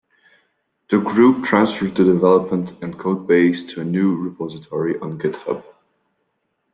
The group transferred the development and codebase to a new repository on GitHub.